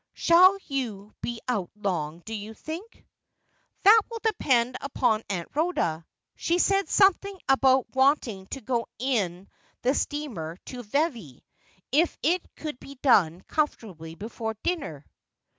' Shall you be out long, do you think ?'' That will depend upon Aunt Rhoda. She said something about wanting to go in the steamer to Vevey, if it could be done comfortably before dinner.'